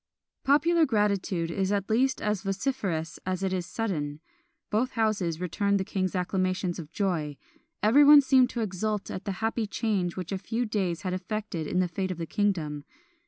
Popular gratitude is at least as vociferous as it is sudden. Both houses returned the king acclamations of joy; everyone seemed to exult at the happy change which a few days had effected in the fate of the kingdom.